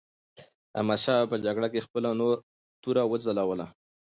احمدشاه بابا په جګړه کې خپله توره وځلوله.